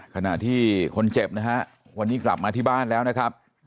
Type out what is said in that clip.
ขณะที่คนเจ็บนะฮะวันนี้กลับมาที่บ้านแล้วนะครับ